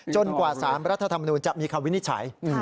กว่าสารรัฐธรรมนูญจะมีคำวินิจฉัย